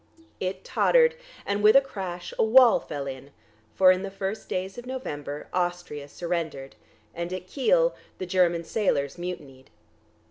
It tottered, and with a crash a wall fell in, for in the first days of November, Austria surrendered, and at Kiel the German sailors mutinied.